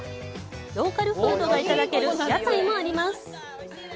ローカルフードがいただける屋台もあります。